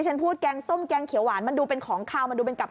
เฮ่ยเดี๋ยวมันเมนูแปลกนะครับครับ